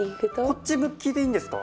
こっち向きでいいんですか？